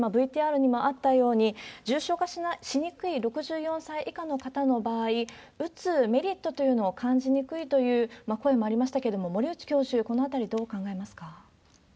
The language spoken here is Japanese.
今、ＶＴＲにもあったように、重症化しにくい６４歳以下の場合、打つメリットというのは感じにくいという声もありましたけれども、森内教授、このあたりどう考えますか？